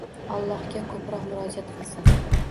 Allohga ko‘proq murojaat qilsin.